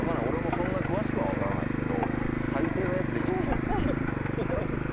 俺もそんな詳しくは分からないですけど最低のやつできてましたよ。